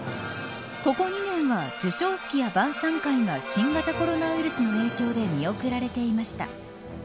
ここ２年は授賞式や晩さん会が新型コロナウイルスの影響で見送られていました。